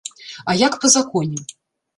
А як па законе?